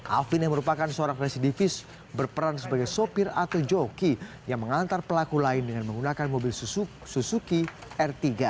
alvin yang merupakan seorang residivis berperan sebagai sopir atau joki yang mengantar pelaku lain dengan menggunakan mobil suzuki r tiga